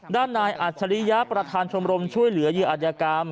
ด้านนายอัจฉริยะประธานชมรมช่วยเหลือเหยื่ออัธยกรรม